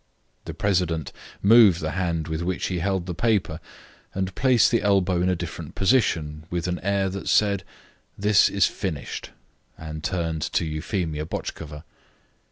The president moved the hand with which he held the paper and placed the elbow in a different position with an air that said: "This is finished," and turned to Euphemia Botchkova.